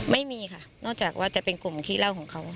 ไม่มีค่ะนอกจากว่าจะเป็นกลุ่มขี้เล่าของเขา